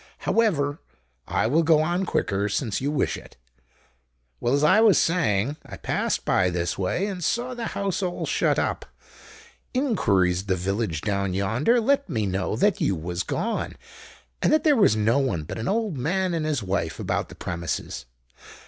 However, I will go on quicker—since you wish it. Well, as I was saying, I passed by this way and saw the house all shut up. Inquiries at the village down yonder let me know that you was gone, and that there was no one but an old man and his wife about the premises.